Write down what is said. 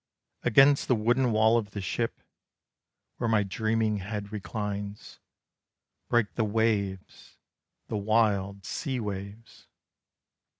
Against the wooden wall of the ship Where my dreaming head reclines, Break the waves, the wild sea waves.